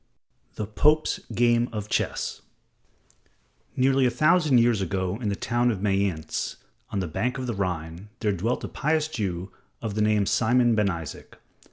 The Pope's Game of Chess Nearly a thousand years ago in the town of Mayence, on the bank of the Rhine, there dwelt a pious Jew of the name of Simon ben Isaac.